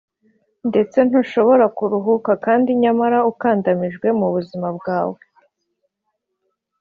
ndetse ntushobora kuruhuka kandi nyamara ukandamijwe mu buzima bwawe